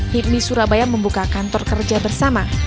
hipmi surabaya membuka kantor kerja bersama